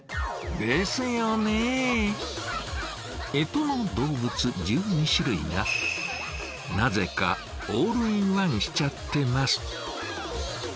干支の動物１２種類がなぜかオールインワンしちゃってます。